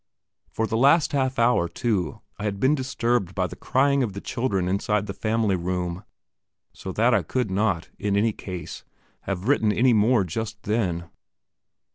For the last half hour, too, I had been disturbed by the crying of the children inside the family room, so that I could not, in any case, have written any more just then.